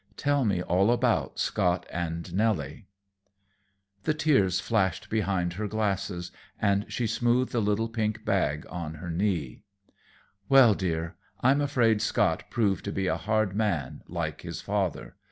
Tell me all about Scott and Nelly." The tears flashed behind her glasses, and she smoothed the little pink bag on her knee. "Well, dear, I'm afraid Scott proved to be a hard man, like his father.